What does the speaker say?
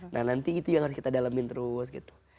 nah nanti itu yang harus kita dalamin terus gitu